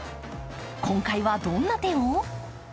今回はどんな手を？